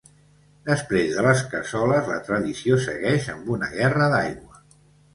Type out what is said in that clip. Després de les cassoles, la tradició segueix amb una guerra d'aigua.